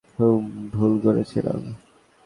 হুম, ভুল করেছিলাম।